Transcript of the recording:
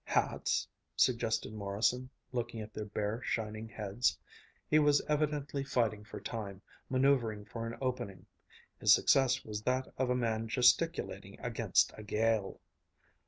"Hats?" suggested Morrison, looking at their bare, shining heads. He was evidently fighting for time, manoeuvering for an opening. His success was that of a man gesticulating against a gale.